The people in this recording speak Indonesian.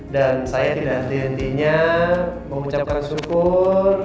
dan saya tidak henti hentinya mau ucapkan syukur